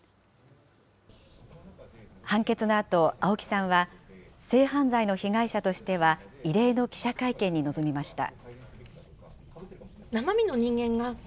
判決のあと、青木さんは、性犯罪の被害者としては異例の記者会見に臨みました。